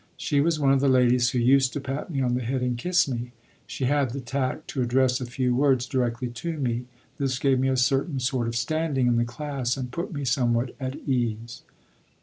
She was one of the ladies who used to pat me on the head and kiss me. She had the tact to address a few words directly to me; this gave me a certain sort of standing in the class and put me somewhat at ease.